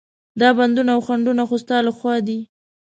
دا بندونه او خنډونه خو ستا له خوا دي.